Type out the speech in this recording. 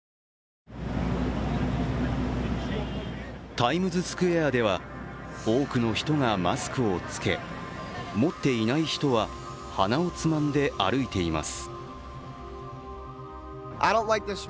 タイムズスクエアでは多くの人がマスクを着け持っていない人は鼻をつまんで歩いています。